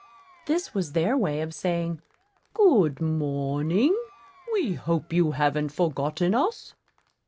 This was their way of saying, "Good morning; we hope you haven't forgotten us."